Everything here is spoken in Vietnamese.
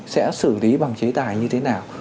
sẽ xử lý bằng chế tài như thế nào